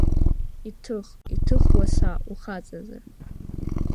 Иҭых, иҭых уаса, ухаҵазар!